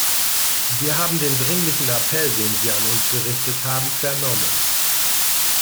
Wir haben den dringlichen Appell, den Sie an uns gerichtet haben, vernommen.